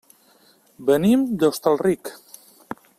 Venim de Hostalric.